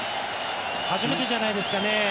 初めてじゃないですかね。